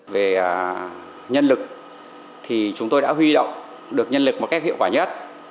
về nhân lực thì chúng tôi đã huy động được nhân lực một cách hiệu quả nhất